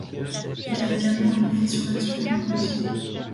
Il a également un effet sur l'action du mors.